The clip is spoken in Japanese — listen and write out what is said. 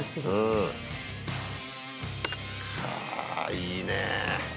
いいねえ。